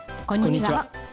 こんにちは。